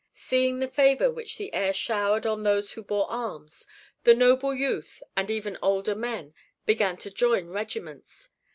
Seeing the favor which the heir showered on those who bore arms, the noble youth, and even older men, began to join regiments.